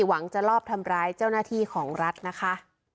หวังจะลอบทำร้ายเจ้าหน้าที่ของรัฐนะคะ